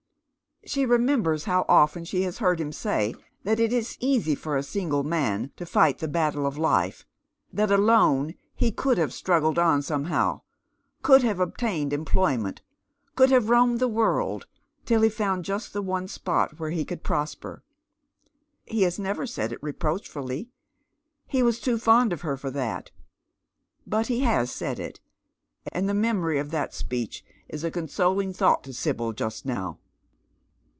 She remembers how often she has heard him say that it is easy for a single man to fight the battle of liJ'c, that alone he could have struggled on somehow, could have obtained employment, could have roamed tlie world till he found just the one spot where he could prosper. lie has never said it reproach fully. He was too fond of her for that. Eut he has said it ; and the memory of that speech is a consoling thought to Sibyl just now.